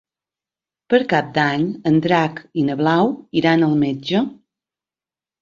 Per Cap d'Any en Drac i na Blau iran al metge.